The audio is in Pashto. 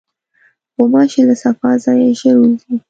غوماشې له صفا ځایه ژر وځي.